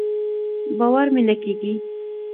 باور مې نۀ کېږي.